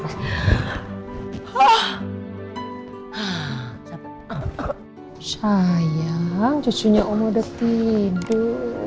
sayang cucunya on udah tidur